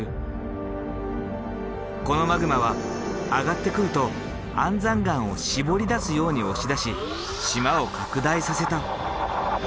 このマグマは上がってくると安山岩をしぼり出すように押し出し島を拡大させた。